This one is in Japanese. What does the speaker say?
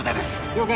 了解